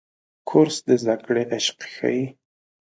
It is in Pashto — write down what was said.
کورس د زده کړې عشق ښيي.